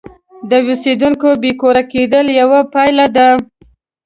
د اوسیدونکو بې کوره کېدل یوه پایله ده.